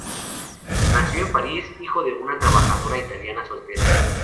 Nació en París, hijo de una trabajadora italiana soltera.